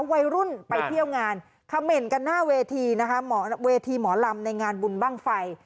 วัยรุ่นไปเที่ยวงานเขม่นกันหน้าเวทีนะคะเวทีหมอลำในงานบุญบ้างไฟ